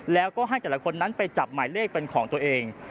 แล้วก็ให้แต่ละคนนั้นไปจับหมายเลขเป็นของตัวเอง